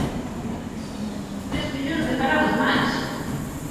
¡Tres millóns de parados máis!